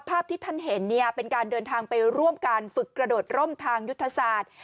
ภาพที่ท่านเห็นเนี่ยเป็นการเดินทางไปร่วมการฝึกกระโดดร่มทางยุทธศาสตร์